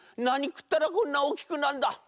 なにくったらこんなおおきくなんだ」。